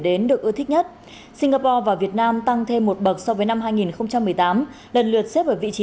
đến được ưa thích nhất singapore và việt nam tăng thêm một bậc so với năm hai nghìn một mươi tám lần lượt xếp ở vị trí